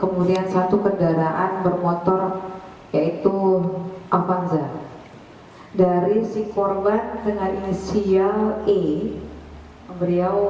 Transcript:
mengawankan persangka dengan inisial iwi